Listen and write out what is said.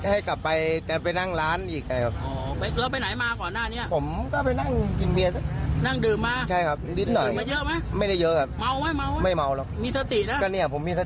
จะกลับไปเห้ยเพื่อนมันบอกให้กลับไปจะไปนั่งร้านนี่ไงครับอ๋อ